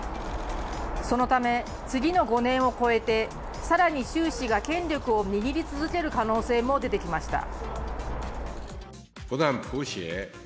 そのため次の５年を超えて更に習氏が権力を握り続ける可能性も出てきました。